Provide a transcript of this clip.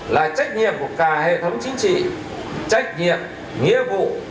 là trách nhiệm của cả hệ thống chính trị trách nhiệm nghĩa vụ